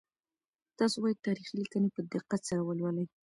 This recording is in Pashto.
تاسو باید تاریخي لیکنې په دقت سره ولولئ.